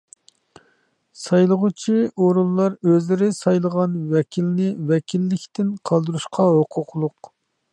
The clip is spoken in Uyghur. سايلىغۇچى ئورۇنلار ئۆزلىرى سايلىغان ۋەكىلنى ۋەكىللىكتىن قالدۇرۇشقا ھوقۇقلۇق.